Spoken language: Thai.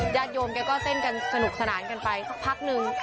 ญาติโยมแกก็เต้นกันสนุกสนานกันไปสักพักนึง